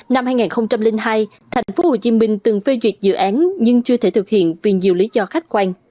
năm hai nghìn hai tp hcm từng phê duyệt dự án nhưng chưa thể thực hiện vì nhiều lý do khách quan